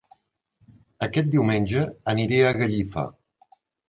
Aquest diumenge aniré a Gallifa